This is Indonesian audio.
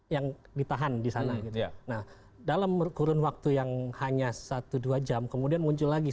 yang ditahan di sana gitu nah dalam kurun waktu yang hanya satu dua jam kemudian muncul lagi